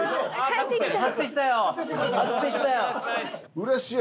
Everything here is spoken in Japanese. うれしい。